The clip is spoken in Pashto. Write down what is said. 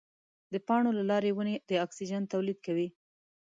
د پاڼو له لارې ونې د اکسیجن تولید کوي.